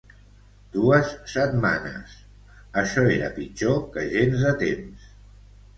Dues setmanes... això era pitjor que gens de temps.